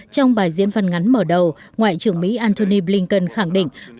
trong bài diễn văn ngắn mở đầu ngoại trưởng mỹ antony blinken khẳng định